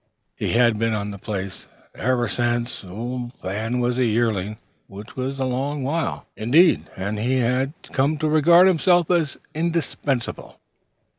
He had been on the place "ever sence old Fan was a yearlin'," which was a long while, indeed; and had come to regard himself as indispensable.